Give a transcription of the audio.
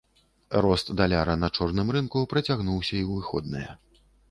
Рост даляра на чорным рынку працягнуўся і ў выходныя.